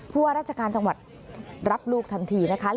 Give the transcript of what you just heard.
ว่าราชการจังหวัดรับลูกทันทีนะคะ